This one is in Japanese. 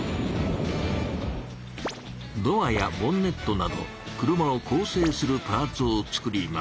ドアやボンネットなど車をこう成するパーツを作ります。